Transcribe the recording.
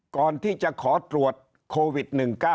ก่อนที่จะขอตรวจโควิด๑๙